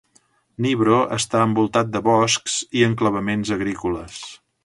Nybro està envoltat de boscs i enclavaments agrícoles.